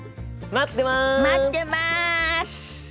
待ってます！